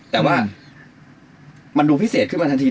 แต่ว่ามันดูพิเศษขึ้นมาทันที